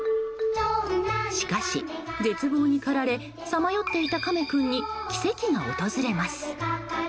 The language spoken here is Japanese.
しかし、絶望にかられさまよっていたカメ君に奇跡が訪れます。